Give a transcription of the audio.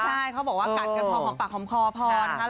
ใช่เขาบอกว่ากัดกันพอหอมปากหอมคอพอนะคะ